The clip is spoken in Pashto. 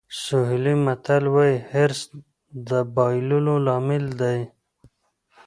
سوهیلي متل وایي حرص د بایللو لامل دی.